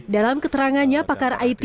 dalam keterangannya pakar it